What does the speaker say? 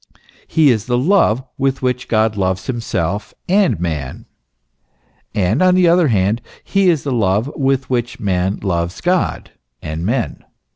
He is the love with which God loves himself and man, and on the other hand, he is the love with which man loves God and men.